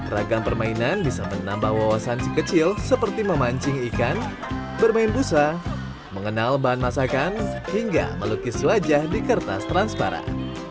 ragam permainan bisa menambah wawasan si kecil seperti memancing ikan bermain busa mengenal bahan masakan hingga melukis wajah di kertas transparan